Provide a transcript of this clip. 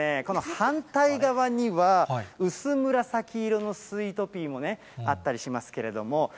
この反対側には、薄紫色のスイートピーもね、あったりしますけれども。